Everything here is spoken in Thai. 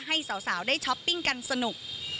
ให้สาวได้ช้อปปิ้งกันสนุก